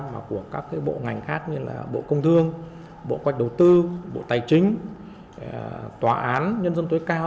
và của các cái bộ ngành khác như là bộ công thương bộ quách đầu tư bộ tài chính tòa án nhân dân tối cao